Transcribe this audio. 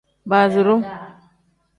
Baaziru.